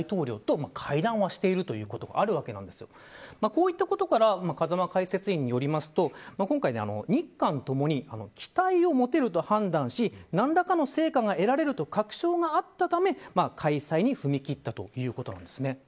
こういったことから風間解説委員によりますと今回、日韓ともに期待を持てると判断し何らかの成果が得られると確証があったため開催に踏み切ったということなんですね。